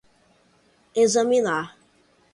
examinar